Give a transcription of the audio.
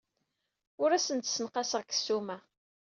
Ur asen-d-ssenqaseɣ deg ssuma.